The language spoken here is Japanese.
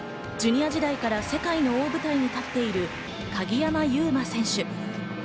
ジュニア時代から世界の大舞台に立っている鍵山優真選手。